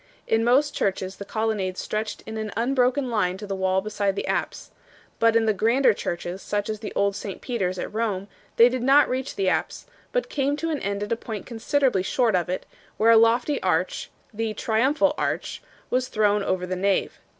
In most churches the colonnades stretched in an unbroken line to the wall beside the apse ; but in the grander churches, such as the old St Peter s at Rome, they did not reach the apse, but came to an end at a point considerably short of it, where a lofty arch the " triumphal arch " was thrown over the nave.